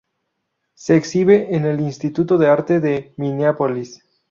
Se exhibe en el Instituto de Arte de Minneapolis.